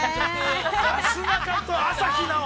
なすなかと朝日奈央。